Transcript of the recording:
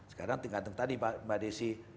sekarang tingkatan tadi mbak desy